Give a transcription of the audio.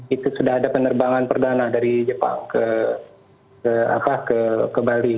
itu sudah ada penerbangan perdana dari jepang ke bali